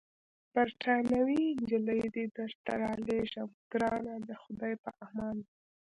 بریتانوۍ نجلۍ دي درته رالېږم، ګرانه د خدای په امان.